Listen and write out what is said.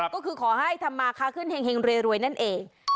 ก็คือขอให้ธรรมคาขึ้นแห่งเหรียรวยนั่นเอง